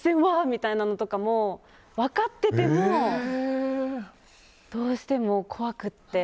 みたいなのも分かっててもどうしても怖くって。